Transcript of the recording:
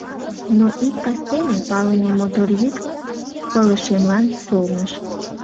Но ик кастене палыме мотор йӱк пылышемлан солныш.